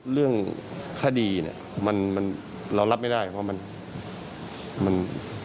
เรื่องคดีเนี่ยมันเรารับไม่ได้เพราะมัน